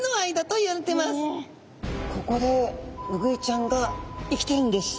ここでウグイちゃんが生きてるんです。